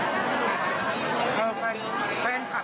ก็คือเมื่อถามก็ยากไหมแล้วก็ทุกอย่างมีเหมือนกัน